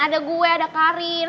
ada gue ada karin